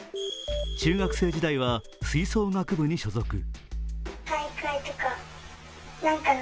中学生時代は、吹奏楽部に所属。